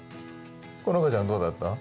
好花ちゃんどうだった？